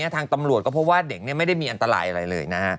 ทางตำรวจก็เพราะว่าเด็กไม่ได้มีอันตรายอะไรเลยนะฮะ